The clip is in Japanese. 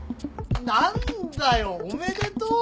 何だよ。おめでとう！